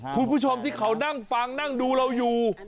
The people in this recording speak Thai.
คุณผู้ชมที่เขานั่งฟังนั่งดูเราอยู่